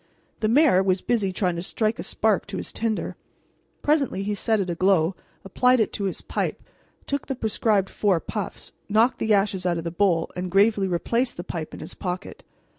The mayor was busy trying to strike a spark to his tinder. Presently he set it aglow, applied it to his pipe, took the prescribed four puffs, knocked the ashes out of the bowl, and gravely replaced the pipe in his pocket.